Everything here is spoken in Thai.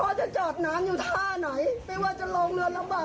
พ่อจะจอดน้ำอยู่ท่าไหนพี่ว่าจะลงเรือนลำบากแค่ไหนหนูก็ไปหาพ่อ